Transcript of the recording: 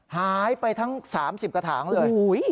หายไปทั้ง๓๐กระถางเลย